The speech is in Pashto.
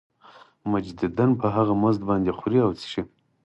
مجدداً په هغه مزد باندې خوري او څښي